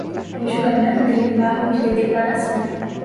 o julgamento de embargos de declaração